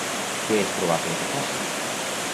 Què és probable que faci?